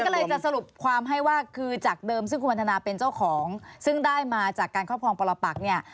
ก็เลยจะสรุปความให้ว่าคือจากเดิมซึ่งคุณวันทนาเป็นเจ้าของซึ่งได้มาจากการครอบครองปรปักเนี่ย